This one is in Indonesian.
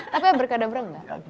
tapi berkada kada gak